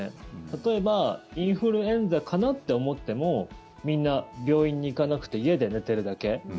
例えばインフルエンザかな？って思ってもみんな病院に行かなくて家で寝てるだけ。